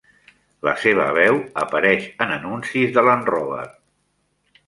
La seva veu apareix en anuncis de Land Rover.